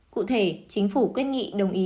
cụ thể chính phủ quyết nghị đồng ý